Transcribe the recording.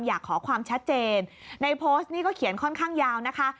อยากขอความชัดเจนในโพสต์นี้ก็เขียนค่อนข้างยาวนะคะ